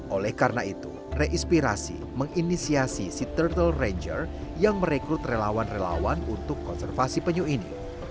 oleh karena itu reinspirasi menginisiasi si turtle ranger yang merekrut relawan relawan untuk konservasi penyu ini